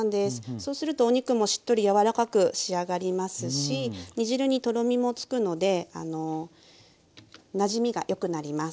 そうするとお肉もしっとり柔らかく仕上がりますし煮汁にとろみもつくのでなじみがよくなります。